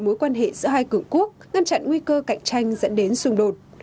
mối quan hệ giữa hai cường quốc ngăn chặn nguy cơ cạnh tranh dẫn đến xung đột